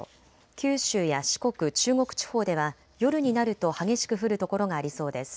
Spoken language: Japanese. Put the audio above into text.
九州や四国、中国地方では夜になると激しく降る所がありそうです。